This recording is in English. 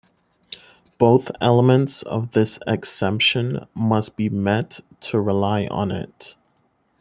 Both elements of this exemption must be met to rely on it.